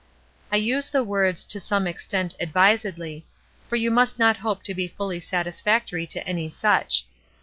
I use the words, 'to some extent,' advisedly, for you must not hope to be fully satisfactory to any such.